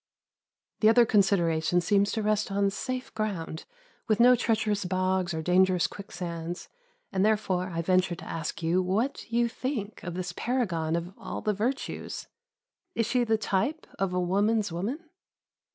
The other consideration seems to rest on safe ground, with no treacherous bogs or dangerous quicksands, and therefore I venture to ask you what you think of this paragon of all the virtues. Is she the type of a woman's woman?